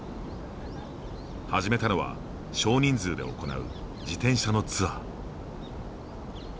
始めたのは少人数で行う自転車のツアー。